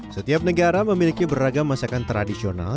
setiap negara memiliki beragam masakan tradisional